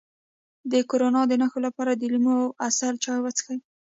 د کرونا د نښو لپاره د لیمو او عسل چای وڅښئ